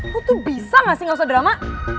lo tuh bisa nggak sih nggak usah drama